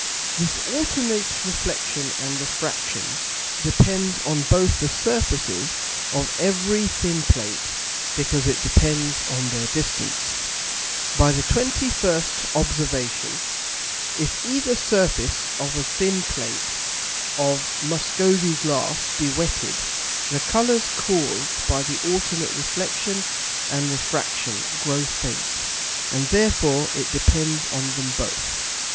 This alternate Reflexion and Refraction depends on both the Surfaces of every thin Plate, because it depends on their distance. By the 21st Observation, if either Surface of a thin Plate of Muscovy Glass be wetted, the Colours caused by the alternate Reflexion and Refraction grow faint, and therefore it depends on them both.